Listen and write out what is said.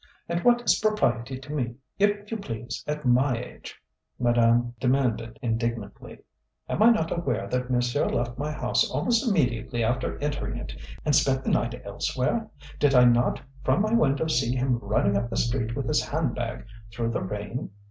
And what is propriety to me, if you please at my age?" madame demanded indignantly. "Am I not aware that monsieur left my house almost immediately after entering it and spent the night elsewhere? Did I not from my window see him running up the street with his handbag through the rain?